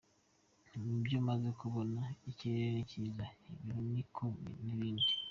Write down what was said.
Mu byo maze kubona, ikirere ni cyiza, ibiryo ni uko n’ibindi.